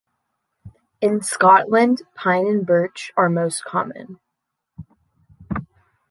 In Scotland, pine and birch are most common.